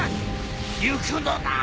行くのだ。